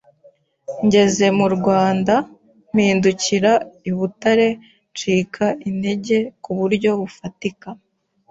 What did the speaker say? ngeze mu Rwanda mpingukira I butare ncika intege ku buryo bufatika